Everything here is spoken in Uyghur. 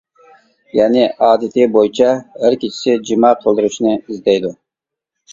يەنى ئادىتى بويىچە ھەر كېچىسى جىما قىلدۇرۇشنى ئىزدەيدۇ.